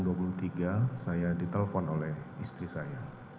tanggal dua puluh tiga saya ditelepon oleh istri saya